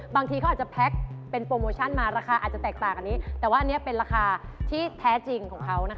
บางทีเขาอาจจะแพ็คเป็นโปรโมชั่นมาราคาอาจจะแตกต่างอันนี้แต่ว่าอันนี้เป็นราคาที่แท้จริงของเขานะคะ